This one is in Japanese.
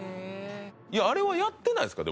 いやあれはやってないですか？